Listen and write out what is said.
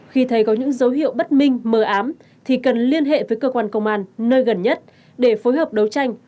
khi thấy có những dấu hiệu bất minh mờ ám thì cần liên hệ với cơ quan công an nơi gần nhất để phối hợp đấu tranh